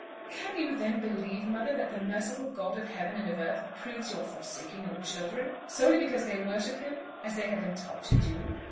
"Can you then believe, mother, that the merciful God of heaven and of earth approves your forsaking your children, solely because they worship him as they have been taught to do?